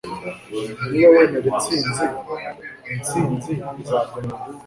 niba wemera intsinzi, intsinzi izakwemera